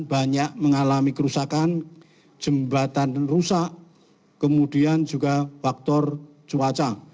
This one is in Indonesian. banyak mengalami kerusakan jembatan rusak kemudian juga faktor cuaca